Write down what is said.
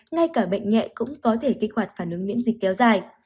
ngay cả bệnh nhẹ cũng có thể kích hoạt phản ứng miễn dịch kéo dài